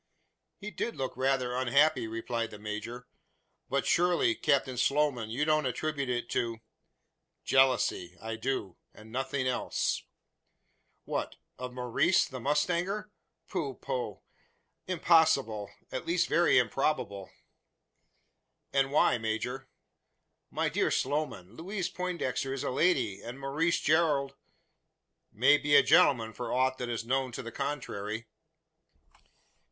"He did look rather unhappy," replied the major; "but surely, Captain Sloman, you don't attribute it to ?" "Jealousy. I do, and nothing else." "What! of Maurice the mustanger? Poh poh! impossible at least, very improbable." "And why, major?" "My dear Sloman, Louise Poindexter is a lady, and Maurice Gerald " "May be a gentleman for aught that is known to the contrary."